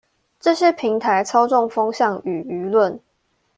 這些平台操縱風向與輿論